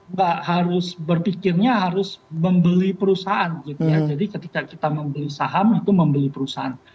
nggak harus berpikirnya harus membeli perusahaan gitu ya jadi ketika kita membeli saham itu membeli perusahaan